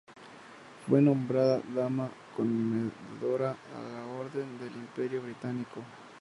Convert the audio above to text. Fue nombrada Dama comendadora de la Orden del Imperio Británico.